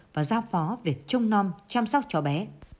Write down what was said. và giao phó về trông non chăm sóc chó bé